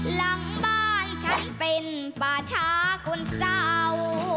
หลังบ้านฉันเป็นปาชาคุณสาว